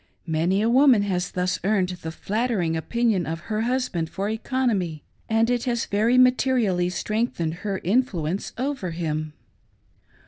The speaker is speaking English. Many a woman has thus earned the flattering opinion of her husband for economy, and it has very materia% strengthened her influence over him.